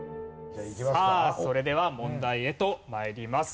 さあそれでは問題へと参ります。